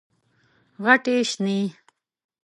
غټي شنې،